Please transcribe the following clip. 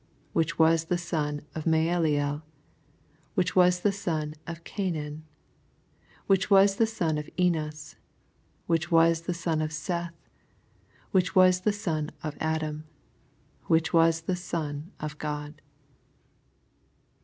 which was th* ton of Maleleel, which was the ton of Cainan, 88 Which was the ton of Enoa, which was the ton of Seth, which was the ton of Adam, which was the ton of God.